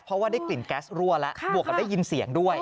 เพราะว่าได้กลิ่นแก๊สรั่วแล้วบวกกับได้ยินเสียงด้วย